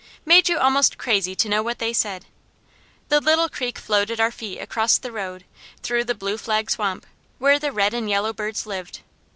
Made you almost crazy to know what they said. The Little Creek flowed at our feet across the road, through the blue flag swamp, where the red and the yellow birds lived.